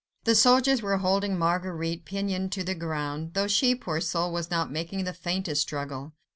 The soldiers were holding Marguerite pinioned to the ground, though she, poor soul, was not making the faintest struggle.